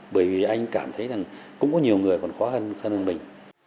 bởi vì anh cảm thấy rằng cũng có nhiều người còn khó hơn mình